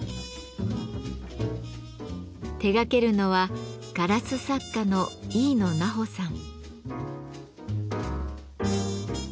手がけるのはガラス作家のイイノナホさん。